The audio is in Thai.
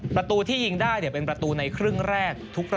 ประตูที่ยิงได้เนี่ยเป็นประตูในครึ่งแรกทุกประตูนะครับ